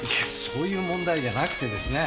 そういう問題じゃなくてですね。